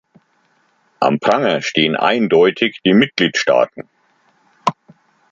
Am Pranger stehen eindeutig die Mitgliedstaaten.